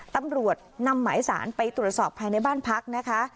ตำรวจนำหมายสารไปตรวจสอบภายในบ้านพักนะคะ